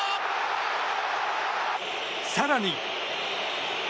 更に。